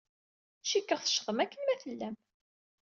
Cikkeɣ teccḍem akken ma tellam.